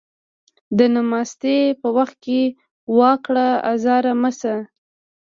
د نماستي په وخت يې وا کړه ازار مه شه